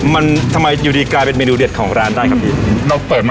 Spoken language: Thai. แล้วเค้าต้องมาลงร้านพี่เลย